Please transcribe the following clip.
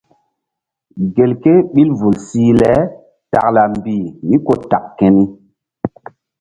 Gelke ɓil vul sih le takla mbih mí ku tak keni.